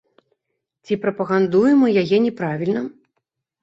Ці прапагандуем мы яе не правільна?